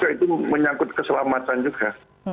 itu menyangkut keselamatan juga